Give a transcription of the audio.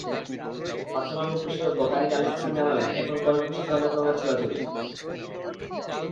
পারসোনার রূপবিশেষজ্ঞ কানিজ আলমাস খান জানালেন, এখন কনের পোশাকে অনেক রঙের ছড়াছড়ি।